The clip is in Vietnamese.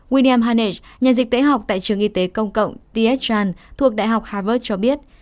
william hanech nhà dịch tế học tại trường y tế công cộng t s chan thuộc đại học harvard cho biết